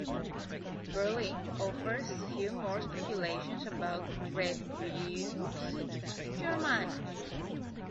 Birley offers a few more speculations about Trebius Germanus.